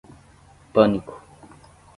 Pânico